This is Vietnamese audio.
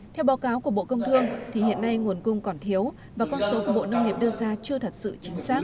theo báo cáo của bộ công thương thì hiện nay nguồn cung còn thiếu và con số của bộ nông nghiệp đưa ra chưa thật sự chính xác